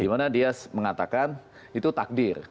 dimana dia mengatakan itu takdir